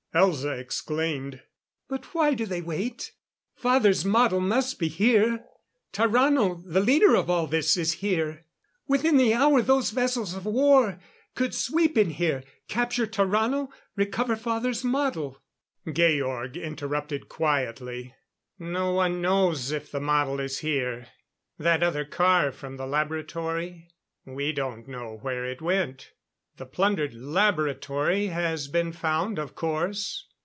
Elza exclaimed: "But why do they wait? Father's model must be here. Tarrano, the leader of all this is here. Within the hour those vessels of war could sweep in here capture Tarrano recover father's model " Georg interrupted quietly: "No one knows if the model is here. That other car from the laboratory we don't know where it went. The plundered laboratory has been found, of course.